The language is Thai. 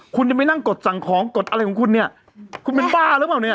คุณจะไปนั่งกดสั่งของกดอะไรของคุณเนี่ยคุณเป็นบ้าหรือเปล่าเนี่ย